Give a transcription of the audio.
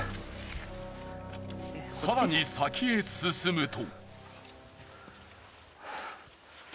更に先へ進むと。